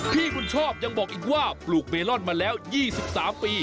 พี่บุญชอบยังบอกอีกว่าปลูกเมลอนมาแล้ว๒๓ปี